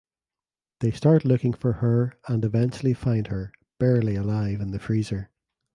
They start looking for her and eventually find her barely alive in the freezer.